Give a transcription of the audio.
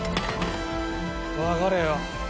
わかれよ。